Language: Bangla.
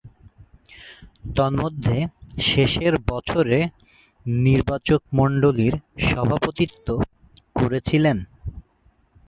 তন্মধ্যে শেষের বছরে নির্বাচকমণ্ডলীর সভাপতিত্ব করেছিলেন।